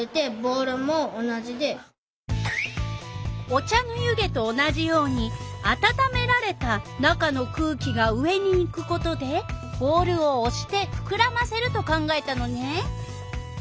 お茶の湯気と同じようにあたためられた中の空気が上にいくことでボールをおしてふくらませると考えたのね。